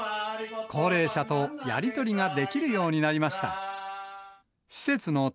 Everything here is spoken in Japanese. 高齢者とやり取りができるようになりました。